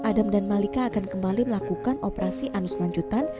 adam dan malika akan kembali melakukan operasi anus lanjutan